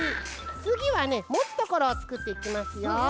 つぎはねもつところをつくっていきますよ。